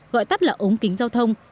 gọi tắt là ống kính giao thông